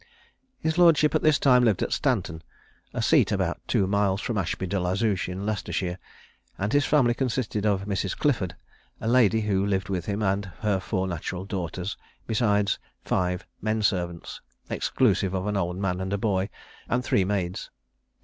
His lordship at this time lived at Stanton, a seat about two miles from Ashby de la Zouch, in Leicestershire; and his family consisted of Mrs. Clifford, a lady who lived with him, and her four natural daughters, besides five men servants, exclusive of an old man and a boy, and three maids.